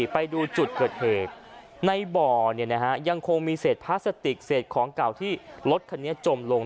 ไปดูจุดเกิดเหตุในบ่อยังคงมีเศษพลาสติกเศษของเก่าที่รถคันนี้จมลง